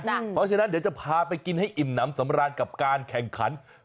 เพราะฉะนั้นเดี๋ยวจะพาไปกินให้อิ่มน้ำสำราญกับการแข่งขัน